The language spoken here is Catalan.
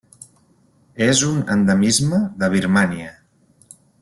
És un endemisme de Birmània.